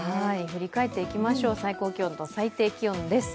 振り返っていきましょう、最高気温と最低気温です。